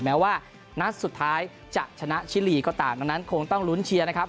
แม้ว่านัดสุดท้ายจะชนะชิลีก็ตามดังนั้นคงต้องลุ้นเชียร์นะครับ